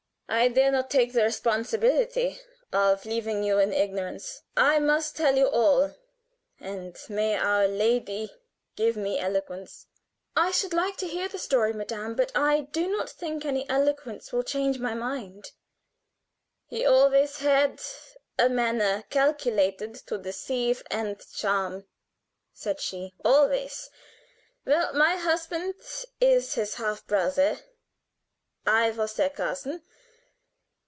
"I dare not take the responsibility of leaving you in ignorance. I must tell you all, and may Our Lady give me eloquence!" "I should like to hear the story, madame, but I do not think any eloquence will change my mind." "He always had a manner calculated to deceive and charm," said she; "always. Well, my husband is his half brother. I was their cousin.